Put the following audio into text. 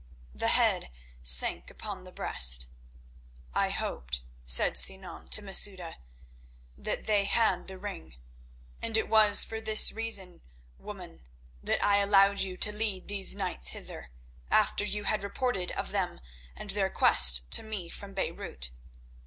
The head sank upon the breast. "I hoped," said Sinan to Masouda, "that they had the ring, and it was for this reason, woman, that I allowed you to lead these knights hither, after you had reported of them and their quest to me from Beirut.